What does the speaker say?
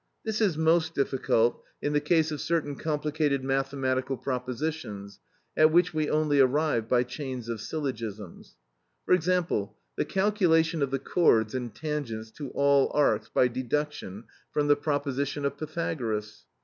This is most difficult in the case of certain complicated mathematical propositions at which we only arrive by chains of syllogisms; for example, the calculation of the chords and tangents to all arcs by deduction from the proposition of Pythagoras.